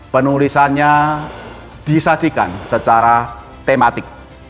penulisannya disajikan secara tematik